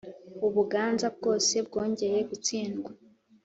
u Buganza bwose bwongeye gutsindwa